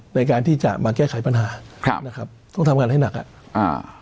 ในการที่จะมาแก้ไขปัญหาครับนะครับต้องทำงานให้หนักอ่ะอ่า